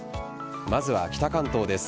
まずは北関東です。